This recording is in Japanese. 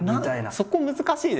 そこ難しいですよね。